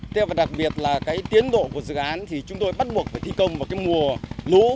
thế và đặc biệt là cái tiến độ của dự án thì chúng tôi bắt buộc phải thi công vào cái mùa lũ